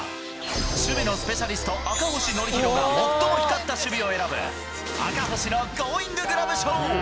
守備のスペシャリスト、赤星憲広が最も光った守備を選ぶ、赤星のゴーインググラブ賞。